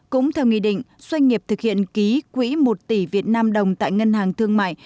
cũng theo nghị định doanh nghiệp thực hiện ký quỹ một tỷ việt nam đồng tại ngân hàng thương mại